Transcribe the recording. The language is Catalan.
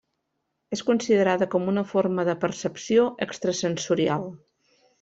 És considerada com una forma de percepció extrasensorial.